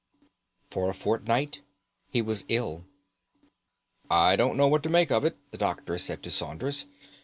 For a fortnight he was ill. "I don't know what to make of it," the doctor said to Saunders.